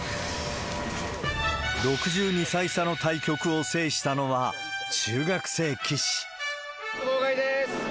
６２歳差の対局を制したのは、号外でーす。